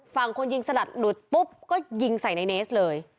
ฝั่งคนยิงสลัดหลุดปุ๊บก็ยิงใส่ในเนสเลย